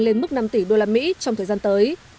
lên mức năm tỷ usd trong thời gian tới